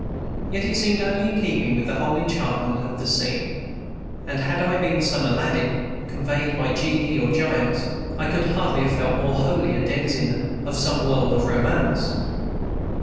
Yet it seemed only in keeping with the whole enchantment of the scene; and had I been some Aladdin, convoyed by genii or giants, I could hardly have felt more wholly a denizen of some world of romance.